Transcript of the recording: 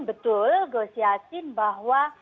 betul gosi asin bahwa